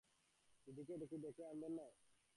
দিদিকে কি ডেকে আনবে না?